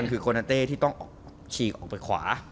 โคณนาเต้ที่ต้องฉีกออกไปขวา